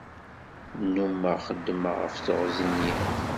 Nnumeɣ xeddmeɣ ɣef teɣzi n yiḍ.